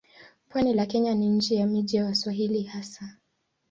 Pwani la Kenya ni nchi ya miji ya Waswahili hasa.